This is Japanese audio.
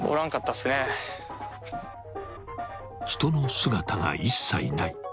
［人の姿が一切ない］